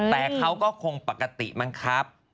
แต่เขาก็คงปกติมั้งครับ